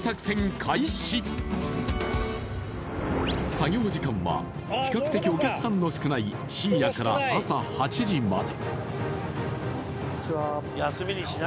作業時間は比較的お客さんの少ない深夜から朝８時まで。